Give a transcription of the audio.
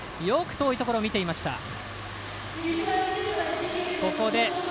よく遠いところを見ていました。